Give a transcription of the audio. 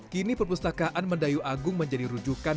kini perpustakaan mendayu agung menjadi rujukan